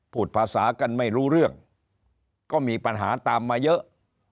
พูดภาษากันไม่รู้เรื่องก็มีปัญหาตามมาเยอะ